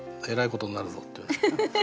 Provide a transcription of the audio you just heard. えらいことになるぞっていうね。